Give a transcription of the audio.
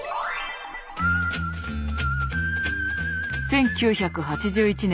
１９８１年